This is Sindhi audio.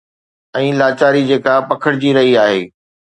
۽ لاچاري جيڪا پکڙجي رهي آهي.